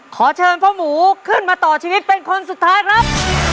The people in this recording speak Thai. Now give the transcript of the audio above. ขอเชิญพ่อหมูขึ้นมาต่อชีวิตเป็นคนสุดท้ายครับ